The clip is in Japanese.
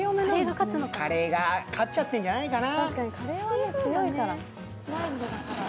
カレーが勝っちゃってるんじゃないかな。